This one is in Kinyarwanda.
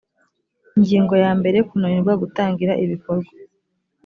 ingingo ya mbere kunanirwa gutangira ibikorwa